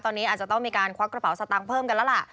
ตอนนี้อาจจะต้องมีการควักกระเป๋าสตางค์เพิ่มกันแล้วล่ะ